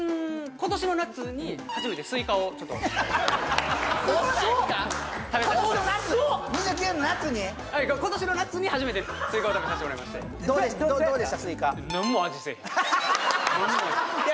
今年の夏に初めてスイカを食べさせてもらいましていや